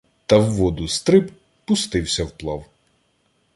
То в воду стриб — пустився вплав.